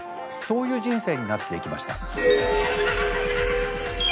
そういう人生になっていきました。